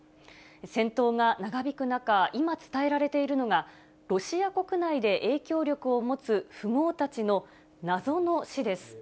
戦闘が長引く中、今伝えられているのがロシア国内で影響力を持つ富豪たちの、謎の死です。